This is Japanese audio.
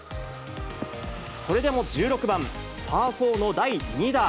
それでも１６番、パーフォーの第２打。